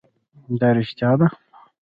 دا رښتیا ده.